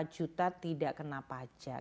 lima puluh empat juta tidak kena pajak